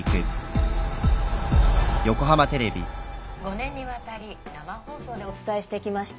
５年にわたり生放送でお伝えしてきました